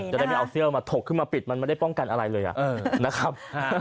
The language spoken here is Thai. จะได้ไม่เอาเสื้อมาถกขึ้นมาปิดมันไม่ได้ป้องกันอะไรเลยนะครับ